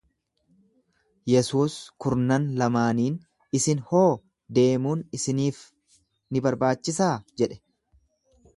Yesuus kurnan lamaaniin, Isin hoo deemuun isiniif ni barbaachisaa jedhe.